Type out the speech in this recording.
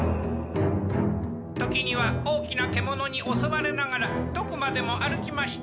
時には大きな獣に襲われながらどこまでも歩きました。